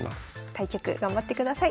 対局頑張ってください。